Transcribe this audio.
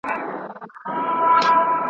نه څپې وې نه موجونه نه توپان وو `